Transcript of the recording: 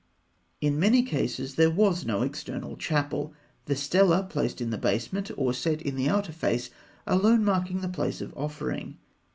In many cases there was no external chapel; the stela, placed in the basement, or set in the outer face, alone marking the place of offering.